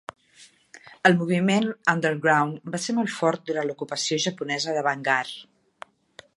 El moviment Underground va ser molt fort durant l'ocupació japonesa de Bangar.